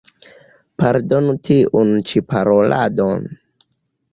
Pardonu tiun ĉi paroladon.